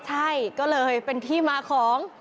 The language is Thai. ใช่ก็เลยเป็นที่มาของ